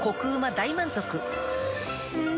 大満足うん！